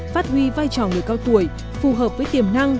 phát huy vai trò người cao tuổi phù hợp với tiềm năng